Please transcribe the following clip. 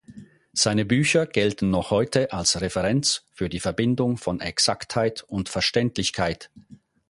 Seine Bücher gelten noch heute als Referenz für die Verbindung von Exaktheit und Verständlichkeit.